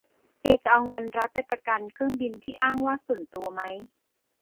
เอ จะเอาเงินรัฐ ไปประกันเครื่องบินที่อ้างว่า"ส่วนตัว"ไหม ?